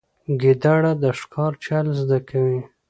ګیدړ د ښکار چل زده کوي.